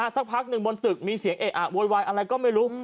สักพักหนึ่งบนตึกมีเสียงเอะอะโวยวายอะไรก็ไม่รู้